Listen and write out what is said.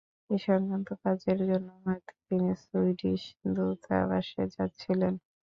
এ সংক্রান্ত কাজের জন্য হয়তো তিনি সুইডিশ দূতাবাসে যাচ্ছিলেন।